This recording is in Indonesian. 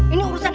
ini urusan ayek